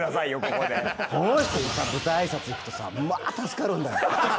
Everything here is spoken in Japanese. この人とさ舞台挨拶行くとさまぁ助かるんだよ。